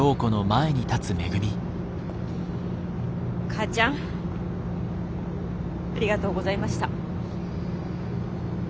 母ちゃんありがとうございました。